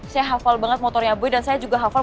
saya hafal banget motornya buy dan saya juga hafal